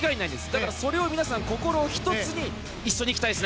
だからそれを皆さん心を一つに一緒に行きたいです。